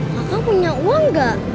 kakak punya uang gak